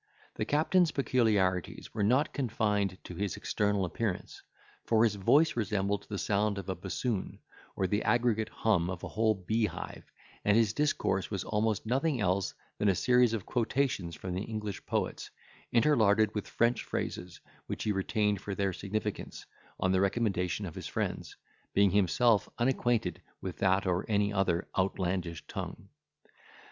The captain's peculiarities were not confined to his external appearance; for his voice resembled the sound of a bassoon, or the aggregate hum of a whole bee hive, and his discourse was almost nothing else than a series of quotations from the English poets, interlarded with French phrases, which he retained for their significance, on the recommendation of his friends, being himself unacquainted with that or any other outlandish tongue.